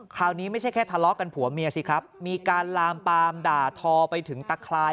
ไม่ใช่แค่ทะเลาะกันผัวเมียสิครับมีการลามปามด่าทอไปถึงตะคลาย